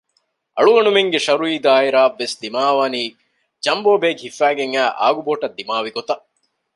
އަޅުގަނޑުމެންގެ ޝަރުއީ ދާއިރާ އަށްވެސް ދިމާވަނީ ޖަމްބޯ ބޭގް ހިފައިގެން އައި އާގުބޯޓަށް ދިމާވި ގޮތަށް